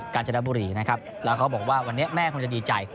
การจนบุรีนะครับแล้วเขาบอกว่าวันนี้แม่คงจะดีใจ